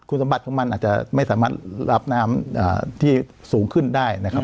คุณสมบัติของมันอาจจะไม่สามารถรับน้ำที่สูงขึ้นได้นะครับ